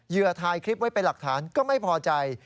ถ่ายคลิปไว้เป็นหลักฐานก็ไม่พอใจ